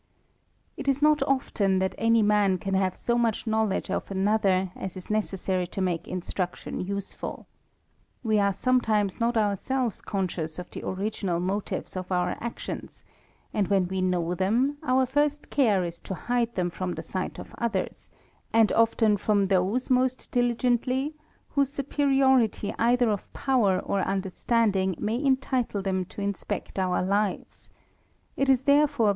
Itjsjiotoften that any man can have so much knowledge o f anothe r, as is nece^ary to nia'Re instruction useruT T We~ _ are someHiaes. not ourselves conscious of the original motives of our aaions, and wlien we know them, our first care is to hide them from the sight of others, and often from those most diligently, whose superiority either of power or understanding may entitle them to inspect our hvesj it. is ibcrefoie.